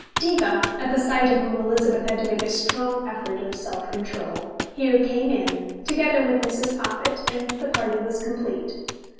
Diva (at the sight of whom Elizabeth had to make a strong effort of self control) here came in, together with Mrs. Poppit, and the party was complete.